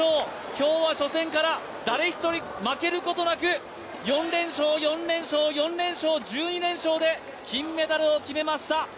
今日は初戦から誰一人負けることなく４連勝、４連勝、４連勝、１２連勝で金メダルを決めました。